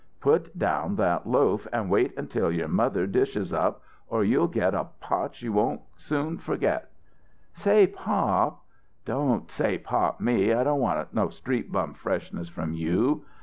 "Put down that loaf and wait until your mother dishes up or you'll get a potch you won't soon forget." "Say, pop " "Don't 'say pop' me! I don't want no street bum freshness from you!"